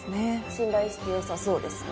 信頼してよさそうですね。